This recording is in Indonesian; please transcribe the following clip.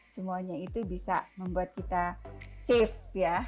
semuanya itu bisa membuat kita safe ya